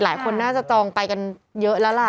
หลายคนน่าจะจองไปกันเยอะแล้วล่ะ